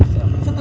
saya kurang tahu